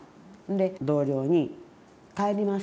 で同僚に「帰ります。